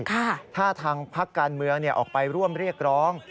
ถ้าทางพักการเมืองออกไปร่วมเรียกร้อง